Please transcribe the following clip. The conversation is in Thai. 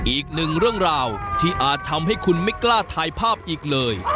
อีกหนึ่งเรื่องราวที่อาจทำให้คุณไม่กล้าถ่ายภาพอีกเลย